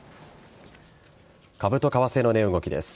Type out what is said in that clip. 株と為替の値動きです。